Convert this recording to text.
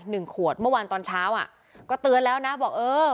หนึ่งขวดเมื่อวานตอนเช้าอ่ะก็เตือนแล้วนะบอกเออ